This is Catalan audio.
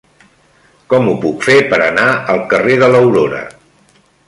Com ho puc fer per anar al carrer de l'Aurora?